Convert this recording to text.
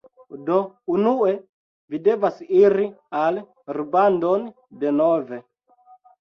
Do unue vi devas iri al rubandon denove